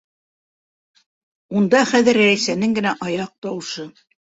Унда хәҙер Рәйсәнең генә аяҡ тауышы.